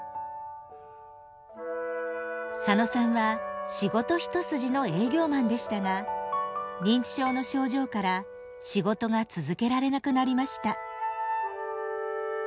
佐野さんは仕事一筋の営業マンでしたが認知症の症状から仕事が続けられなくなりました。